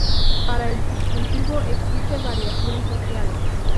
Para el subjuntivo, existe variación social.